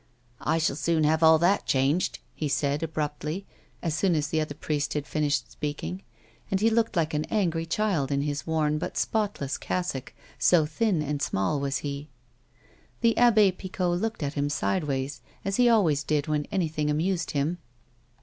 " I shall soon have all that changed," he said, abruptly, as soon as the other priest had finished speaking ; and he looked like an angry child in his worn but spotless cassock, so thin and small was he. 172 A WOMAN'S LIFE. The AbW Picot looked at him sideways, as he always did when anything amused him.